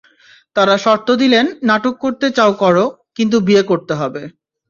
তাঁরা শর্ত দিলেন, নাটক করতে চাও করো, কিন্তু বিয়ে করতে হবে।